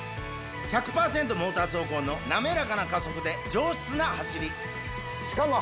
モーター走行の滑らかな加速で上質な走りしかも。